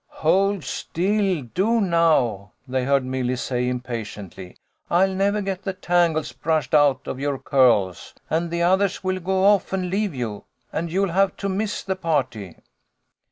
" Hold still ! Do now !" they heard Milly say, impatiently. " I'll never get the tangles brushed out of your curls, and the others will go off and leave you, and you'll have to miss the party."